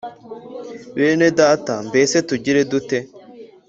bene Data mbese tugire dute